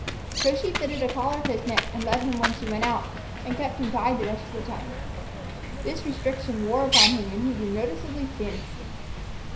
So she fitted a collar to his neck and led him when she went out, and kept him tied the rest of the time. This restriction wore upon him and he grew noticeably thin.